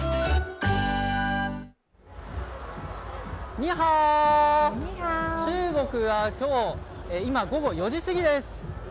ニーハオ、中国は今日午後４時すぎです。